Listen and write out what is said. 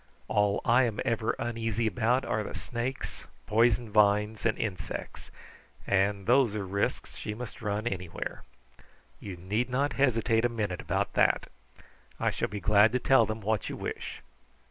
All I am ever uneasy about are the snakes, poison vines, and insects; and those are risks she must run anywhere. You need not hesitate a minute about that. I shall be glad to tell them what you wish.